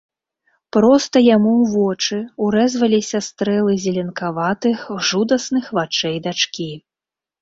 Проста яму ў вочы ўрэзваліся стрэлы зеленкаватых жудасных вачэй дачкі.